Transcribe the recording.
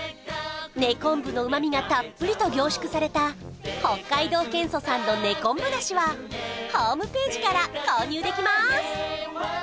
根昆布のうま味がたっぷりと凝縮された北海道ケンソさんの根昆布だしはホームページから購入できます